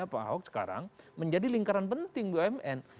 jadi misalnya pak ahok sekarang menjadi lingkaran penting bumn